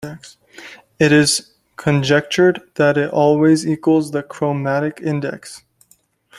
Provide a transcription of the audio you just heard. It is conjectured that it always equals the chromatic index.